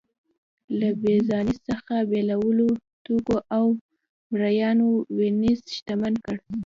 له بېزانس څخه بېلابېلو توکو او مریانو وینز شتمن کړ